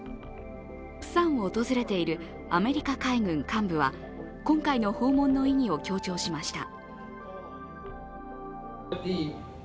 プサンを訪れているアメリカ海軍幹部は今回の訪問の意義を強調しました。